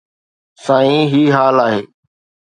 سائين، هي حال آهي